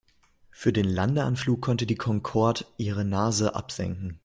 Für den Landeanflug konnte die Concorde ihre Nase absenken.